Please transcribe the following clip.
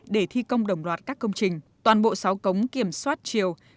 để thi công đồng loạt các công trình toàn bộ sáu cống kiểm soát chiều